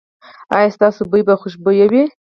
ایا ستاسو بوی به خوشبويه وي؟